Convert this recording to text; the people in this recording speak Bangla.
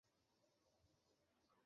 তাঁর সংস্পর্শে অন্তর প্রশান্ত হত।